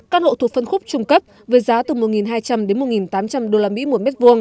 căn hộ thuộc phân khúc trung cấp với giá từ một hai trăm linh đến một tám trăm linh usd một m hai